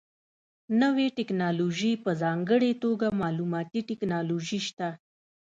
نوې ټکنالوژي په ځانګړې توګه معلوماتي ټکنالوژي شته.